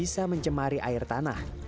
saya balik duluan